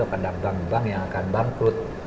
atau kadang bank bank yang akan bangkrut